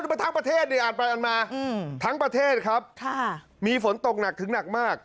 นี่เป็นทั้งประเทศอ่านมาอ่านมาทั้งประเทศครับมีฝนตกหนักถึงหนักมาก